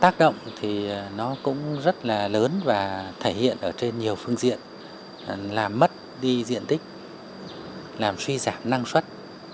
tác động thì nó cũng rất là lớn và thể hiện ở trên nhiều phương diện làm mất đi diện tích làm suy giảm năng suất